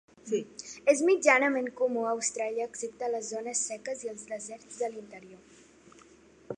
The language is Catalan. És mitjanament comú a Austràlia, excepte a les zones seques i els deserts de l'interior.